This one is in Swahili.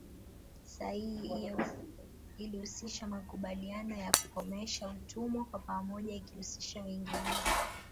Sahihi iyo ilihusisha makubaliano ya kukomesha utumwa kwa pamoja ikiihusisha Uingereza